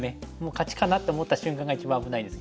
勝ちかなと思った瞬間が一番危ないんですけど。